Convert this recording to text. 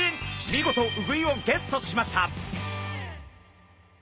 見事ウグイをゲットしました。